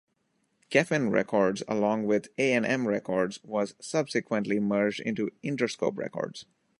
Geffen Records, along with A and M Records, was subsequently merged into Interscope Records.